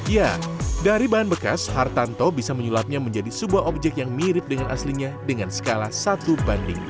ya dari bahan bekas hartanto bisa menyulapnya menjadi sebuah objek yang mirip dengan aslinya dengan skala satu banding dua